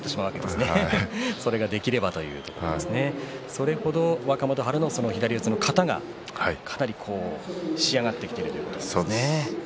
それ程、若元春の左四つの型というのが仕上がってきているということですね。